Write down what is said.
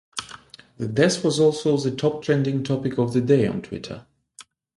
The death was also the top trending topic of the day on Twitter.